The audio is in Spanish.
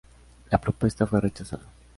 La propuesta fue rechazada.